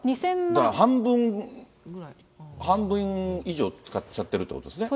だから半分以上使っちゃってるっていうことですね。